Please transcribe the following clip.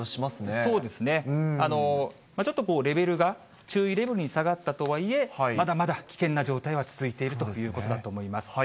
そうですね、ちょっとレベルが注意レベルに下がったとはいえ、まだまだ危険な状態は続いているということだと思います。